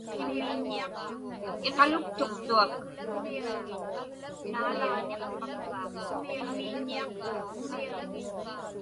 Iqaluktuqtuak.